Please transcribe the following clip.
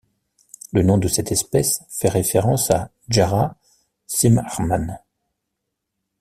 Le nom de cette espèce fait référence à Jára Cimrman.